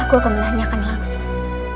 aku akan menanyakan langsung